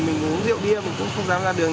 mình uống rượu bia mình cũng không dám ra đường